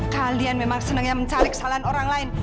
kalian memang senangnya mencari kesalahan orang lain